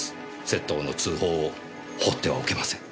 窃盗の通報を放ってはおけません。